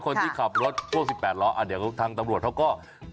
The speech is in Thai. คนที่ขับรถพ่วง๑๘ล้อเดี๋ยวทางตำรวจเขาก็